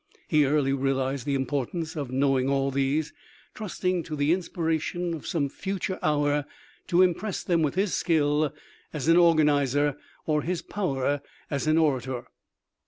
He early realized the importance of know ing all these, trusting to the inspiration of some future hour to impress them with his skill as an organizer or his power as an orator.